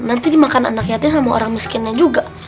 nanti dimakan anak yatim sama orang miskinnya juga